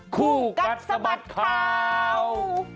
คู่กัดสมัติข่าว